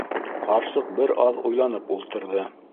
- Ҡарсыҡ бер аҙ уйланып ултырҙы.